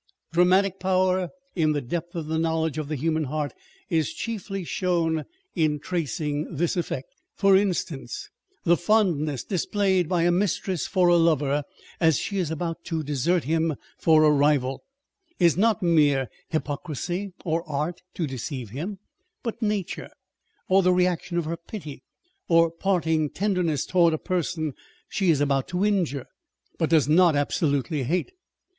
Dramatic power in the depth of the knowledge of the human heart, is chiefly shown in tracing this effect. For instance, the fondness displayed by a mistress for a lover (as she is about to desert him for a rival) is not mere hypocrisy or art to deceive him, but nature, or the reaction of her pity, or parting tender ness towards a person she is about to injure, but does not absolutely hate.